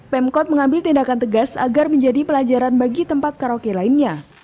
pemkot mengambil tindakan tegas agar menjadi pelajaran bagi tempat karaoke lainnya